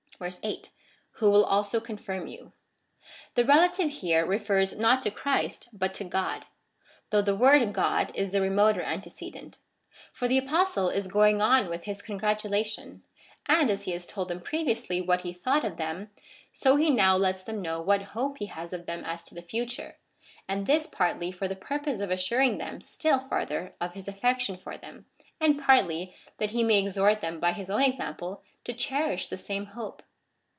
8. Who will also confirm you. The relative here refers not to Christ, but to God, though the word God is the remoter antecedent. For the Apostle is going on with his congratu lation, and as he has told them previously what he thought of them, so he now lets them know what hope he has of them as to the future, and this partly for the purpose of assuring them still farther of his affection for them, and partly that he may exhort them by his own example to cherish the same hope.